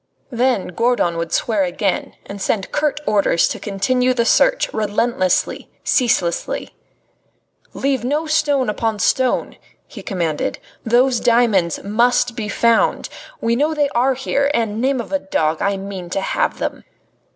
Then Gourdon would swear again and send curt orders to continue the search, relentlessly, ceaselessly. "Leave no stone upon stone," he commanded. "Those diamonds must be found. We know they are here, and, name of a dog! I mean to have them."